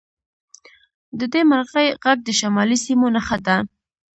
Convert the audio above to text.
د دې مرغۍ غږ د شمالي سیمو نښه ده